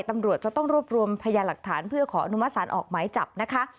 ตำรวจจะต้องรวบรวมพยาหลักฐานเพื่อขออนุมัติศาลออกหมายจับนะคะ